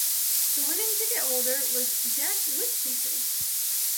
The winning ticketholder was Jack Whittaker.